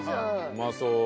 うまそう。